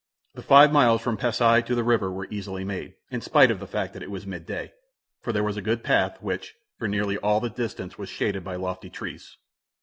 The five miles from Pasi to the river were easily made, in spite of the fact that it was midday, for there was a good path, which, for nearly all the distance, was shaded by lofty trees.